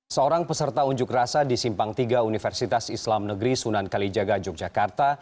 seorang peserta unjuk rasa di simpang tiga universitas islam negeri sunan kalijaga yogyakarta